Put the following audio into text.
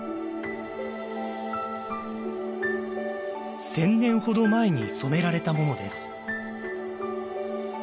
１，０００年ほど前に染められたものです。